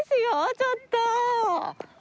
ちょっと！